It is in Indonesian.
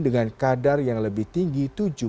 dengan kadar yang lebih tinggi